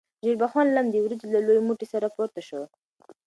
ژیړبخون لم د وریجو له لوی موټي سره پورته شو.